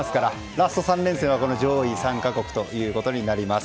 ラスト３連戦は上位３か国となります。